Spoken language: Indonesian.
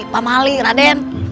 pak mali raden